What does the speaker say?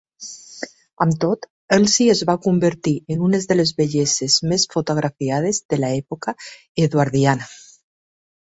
Amb tot, Elsie es va convertir en una de les belleses més fotografiades de l'època eduardiana.